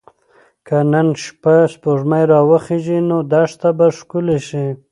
که نن شپه سپوږمۍ راوخیژي نو دښته به ښکلې شي.